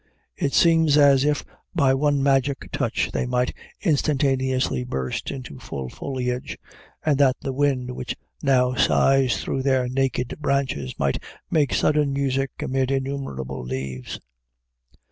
It seems as if by one magic touch they might instantaneously burst into full foliage, and that the wind which now sighs through their naked branches might make sudden music amid innumerable leaves.